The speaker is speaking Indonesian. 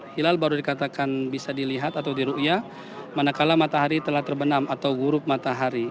hilal baru dikatakan bisa dilihat atau diruia manakala matahari telah terbenam atau gurub matahari